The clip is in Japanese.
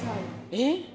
えっ？